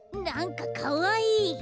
なんかかわいい。